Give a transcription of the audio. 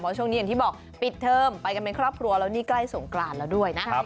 เพราะช่วงนี้อย่างที่บอกปิดเทอมไปกันเป็นครอบครัวแล้วนี่ใกล้สงกรานแล้วด้วยนะ